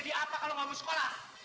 terima kasih saya bersyukur